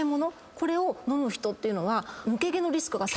これを飲む人っていうのは。